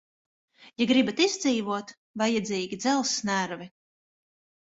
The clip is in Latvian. Ja gribat izdzīvot, vajadzīgi dzelzs nervi.